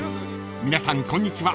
［皆さんこんにちは